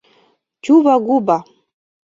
Тюва губа.